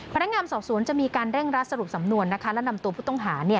พนักงานสอบสวนจะมีการเร่งรัดสรุปสำนวนและนำตัวผู้ต้องหา